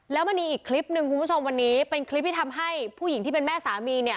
แล้วมันมีอีกคลิปหนึ่งคุณผู้ชมวันนี้เป็นคลิปที่ทำให้ผู้หญิงที่เป็นแม่สามีเนี่ย